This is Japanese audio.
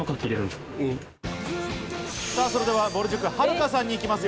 それでは、ぼる塾・はるかさんにいきます。